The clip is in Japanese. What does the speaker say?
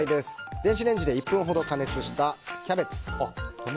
電子レンジで１分ほど加熱したキャベツ。